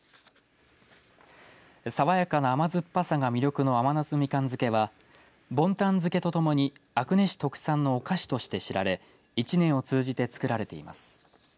さわやかな甘酸っぱさが魅力の甘夏みかん漬はボンタン漬とともに阿久根市特産のお菓子として知られ一年を通じて作られています。